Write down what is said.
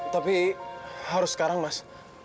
tapi harus sekarang mas